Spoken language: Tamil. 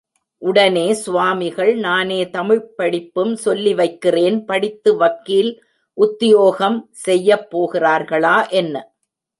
உடனே சுவாமிகள், நானே தமிழ்ப் படிப்பும் சொல்லி வைக்கிறேன் படித்து வக்கீல் உத்தியோகம் செய்யப் போகிறார்களா, என்ன!